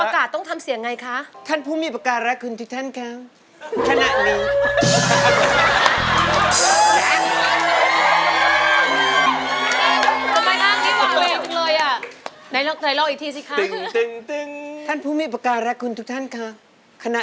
ด้านสามและด้านสี่จะสะดวกกว่าค่ะ